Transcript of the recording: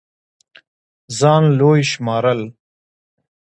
ځان لوے شمارل